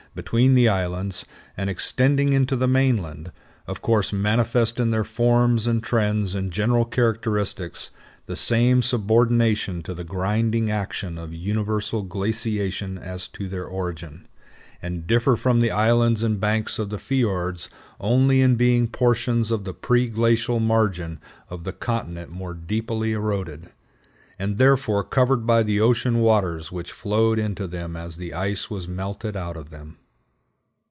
between the islands, and extending into the mainland, of course manifest in their forms and trends and general characteristics the same subordination to the grinding action of universal glaciation as to their origin, and differ from the islands and banks of the fiords only in being portions of the pre glacial margin of the continent more deeply eroded, and therefore covered by the ocean waters which flowed into them as the ice was melted out of them.